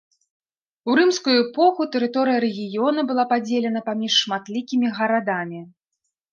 У рымскую эпоху тэрыторыя рэгіёна была падзелена паміж шматлікімі гарадамі.